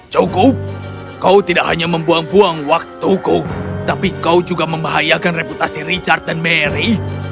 cukup kau tidak hanya membuang buang waktuku tapi kau juga membahayakan reputasi richard dan mary